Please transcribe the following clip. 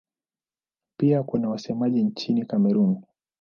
Pia kuna wasemaji nchini Kamerun.